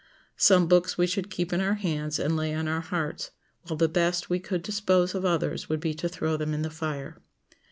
Some books we should keep in our hands and lay on our hearts, while the best we could dispose of others would be to throw them in the fire.